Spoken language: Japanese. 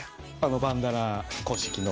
バンダナ公式の。